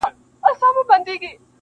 او واه واه به ورته ووایي -